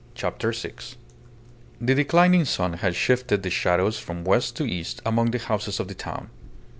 CHAPTER SIX The declining sun had shifted the shadows from west to east amongst the houses of the town.